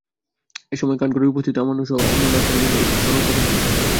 এ সময় কাঠগড়ায় উপস্থিত আমানুরসহ অন্য আসামিদের নাহার আহমেদ শনাক্ত করেন।